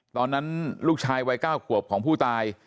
ตอนนั้นลูกชายวัย๙ขวบของผู้ตาย